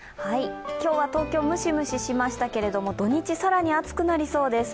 今日は東京、ムシムシしましたけど土日更に暑くなりそうです。